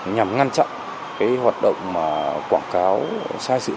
nhằm ngăn chặn hoạt động quảng cáo sai sự thật